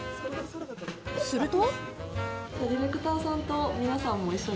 すると。